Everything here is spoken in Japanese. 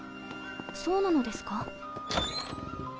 そうなのですか？